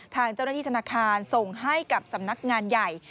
ทางเจ้าหน้าที่ธนาคารส่งให้กับสำนักงานใหญ่